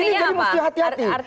ini jadi harus hati hati